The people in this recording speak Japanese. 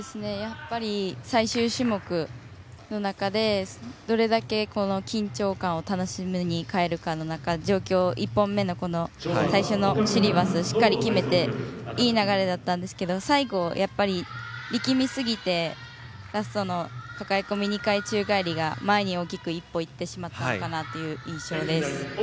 最終種目の中でどれだけ緊張感を楽しみに変えるかという状況で１本目の最初のシリバスをしっかり決めていい流れだったんですが最後、力みすぎてラストのかかえ込み２回宙返りが前に大きく１歩行ってしまったのかなという印象です。